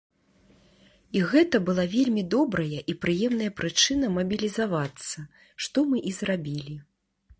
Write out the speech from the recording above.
І гэта была вельмі добрая і прыемная прычына мабілізавацца, што мы і зрабілі.